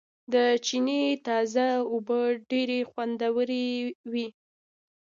د چينې تازه اوبه ډېرې خوندورېوي